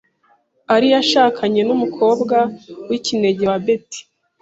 Al yashakanye n'umukobwa w'ikinege wa Betty .